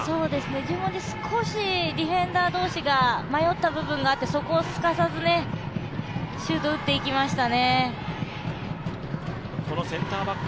十文字、少しディフェンダー同士が迷った部分があってそこをすかさずシュートを打っていきましたね。